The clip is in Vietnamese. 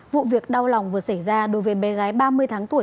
vụ việc đau lòng vừa xảy ra đối với bé gái ba mươi tháng tuổi